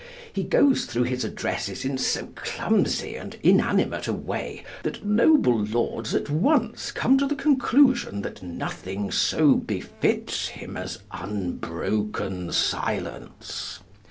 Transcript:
he goes through his addresses in so clumsy and inanimate a way that noble lords at once come to the conclusion that nothing so befits him as unbroken silence.